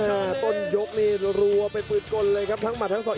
ต้นยกนี่รัวเป็นปืนกลเลยครับทั้งหมัดทั้งสอง